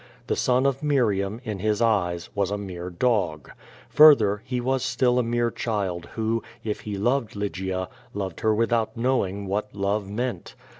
The son of Miriam, in his eyes, was a mere dog. Further, he was still a mere child who, if he loved Lygia, loved her without knowing what love meant.